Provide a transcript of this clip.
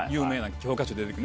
教科書に出て来る。